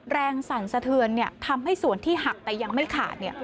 สั่นสะเทือนทำให้ส่วนที่หักแต่ยังไม่ขาด